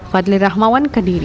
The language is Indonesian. fadli rahmawan kediri